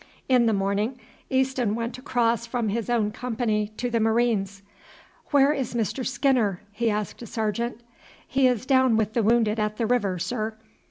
In the morning Easton went across from his own company to the Marines. "Where is Mr. Skinner?" he asked a sergeant. "He is down with the wounded at the river, sir.